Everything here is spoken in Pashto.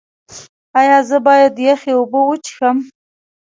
ایا زه باید یخې اوبه وڅښم؟